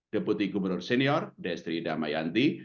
deputi gubernur senior destri damayanti